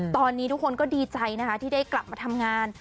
ตอนนี้ทุกคนก็ดีใจนะคะที่ได้กลับมาทำงาน